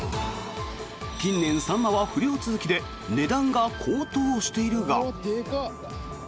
近年サンマは不漁続きで値段が高騰しているが。